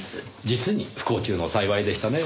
実に不幸中の幸いでしたね。